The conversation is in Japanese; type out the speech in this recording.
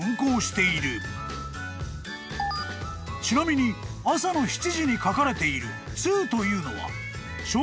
［ちなみに朝の７時に書かれている「通」というのは］